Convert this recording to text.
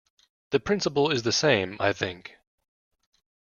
The principle is the same, I think?